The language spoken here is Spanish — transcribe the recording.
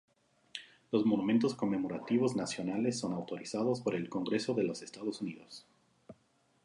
Los monumentos conmemorativos nacionales son autorizados por el Congreso de los Estados Unidos.